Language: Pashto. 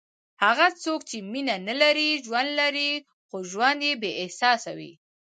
هغه څوک چې مینه نه لري، ژوند لري خو ژوند یې بېاحساسه وي.